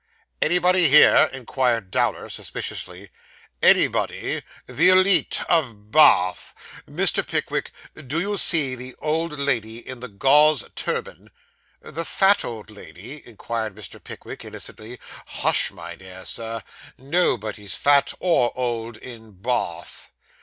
'Anybody here?' inquired Dowler suspiciously. 'Anybody! The _elite _of Ba ath. Mr. Pickwick, do you see the old lady in the gauze turban?' 'The fat old lady?' inquired Mr. Pickwick innocently. 'Hush, my dear sir nobody's fat or old in Ba ath.